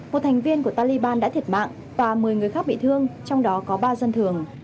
một thành viên của taliban đã thiệt mạng và một mươi người khác bị thương trong đó có ba dân thường